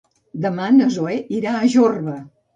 Demà na Zoè irà a Jorba.